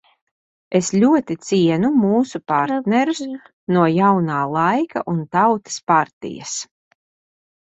"Es ļoti cienu mūsu partnerus no "Jaunā laika" un Tautas partijas."